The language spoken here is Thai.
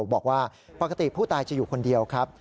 บอกว่าปกติผู้ตายจะอยู่คนเดียวครับ